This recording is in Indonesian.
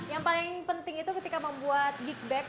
yang paling penting itu ketika membuat gig bag